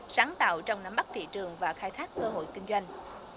sáng tạo trong nắm bắt thị trường và khai thác cơ hội kinh doanh